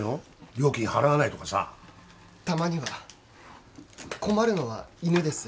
料金払わないとかさたまには困るのは犬です